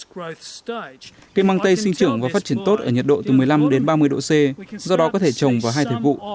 cây mang tây sinh trưởng và phát triển tốt ở nhiệt độ từ một mươi năm đến ba mươi độ c do đó có thể trồng vào hai thời vụ